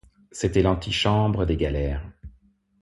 C'était l'antichambre des galères.